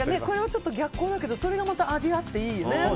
これはちょっと逆光だけどそれがまた味があっていいね。